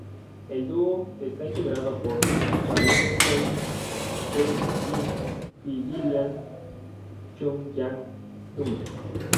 El dúo está integrado por Charlene Choi Cheuk-Yin y Gillian Chung Yan-Tung.